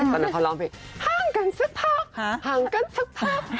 ตอนนั้นเขาร้องเพลงห้างกันสักพักห่างกันสักพัก